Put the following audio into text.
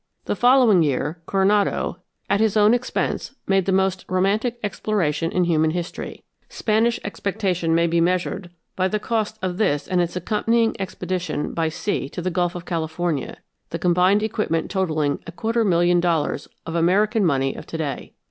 The following year Coronado, at his own expense, made the most romantic exploration in human history. Spanish expectation may be measured by the cost of this and its accompanying expedition by sea to the Gulf of California, the combined equipment totalling a quarter million dollars of American money of to day.